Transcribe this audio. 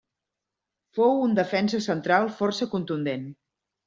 Fou un defensa central força contundent.